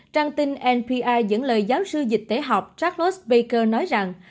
trang tin npr dẫn lời giáo sư dịch tế học charles baker nói rằng